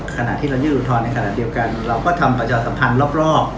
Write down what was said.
ขณะที่เรายื่นอุทธรณ์ในขณะเดียวกันเราก็ทำประชาสัมพันธ์รอบ